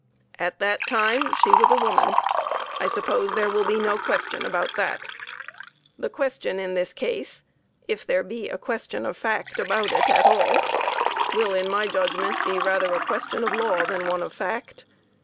At that time she was a woman. I suppose there will be no question about that. The question in this case, if there be a question of fact about it at all, will, in my judgment, be rather a question of law than one of fact.